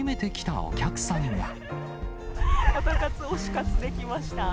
オタ活、推し活で来ました。